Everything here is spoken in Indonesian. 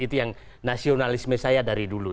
itu yang nasionalisme saya dari dulu